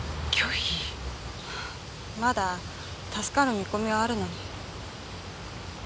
まだ助かる見込みはあるのに。